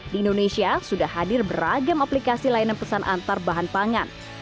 di indonesia sudah hadir beragam aplikasi layanan pesan antar bahan pangan